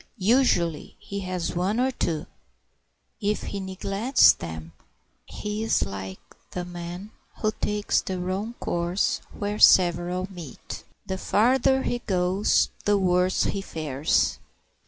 Usually he has one or two; if he neglects them he is like the man who takes the wrong course where several meet. The farther he goes the worse he fares.